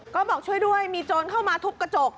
ก็บอกช่วยด้วยมีโจรเข้ามาทุบกระจก